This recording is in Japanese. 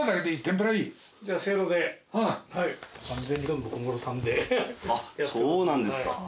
あっそうなんですか。